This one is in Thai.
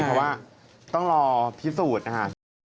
เพราะว่าต้องรอผิดสูตร